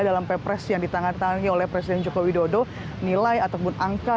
dalam pepres yang ditangani oleh presiden joko widodo nilai ataupun angka